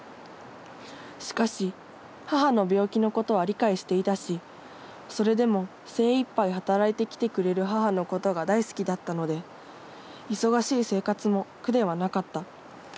しかし母の病気のことは理解していたしそれでも精一杯働いてきてくれる母のことが大好きだったので忙しい生活も苦ではなかった。